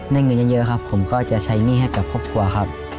เงินเยอะครับผมก็จะใช้หนี้ให้กับครอบครัวครับ